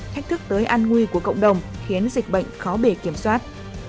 thách thức tới an nguy của cộng đồng khiến dịch bệnh khó bề kiểm soát